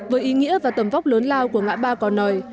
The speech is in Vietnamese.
với ý nghĩa và tầm vóc lớn lao của ngã ba cỏ nòi